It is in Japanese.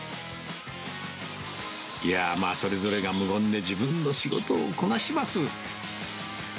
いやあ、まあ、それぞれが無言で、自分の仕事をこなします。